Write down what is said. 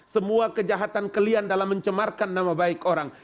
semua kejahatan kalian dalam mencemarkan nama baik orang